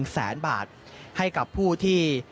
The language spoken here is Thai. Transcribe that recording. แสนบาทให้กับผู้ที่